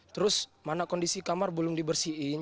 terus mana kondisi kamar belum dibersihin